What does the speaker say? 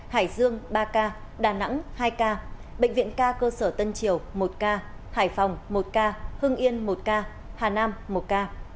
hải dương ba ca đà nẵng hai ca bệnh viện ca cơ sở tân triều một ca hải phòng một ca hưng yên một ca hà nam một ca